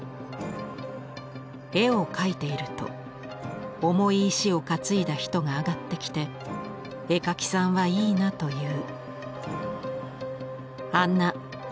絵を描いていると重い石を担いだ人が上がってきて「絵描きさんはいいな」という。